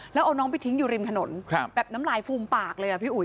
แล้วเอาน้องไปทิ้งอยู่ริมถนนแบบน้ำลายฟูมปากเลยอ่ะพี่อุ๋